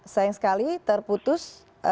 sayang sekali terputus